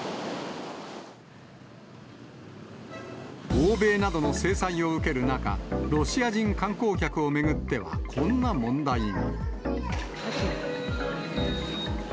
欧米などの制裁を受ける中、ロシア人観光客を巡ってはこんな問題も。